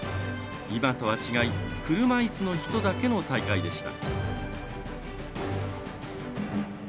今とは違い車いすの人だけの大会でした。